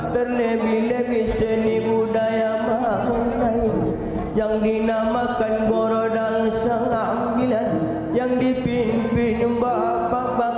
terhadap sebuah kemampuan yang berharga dan berharga yang berharga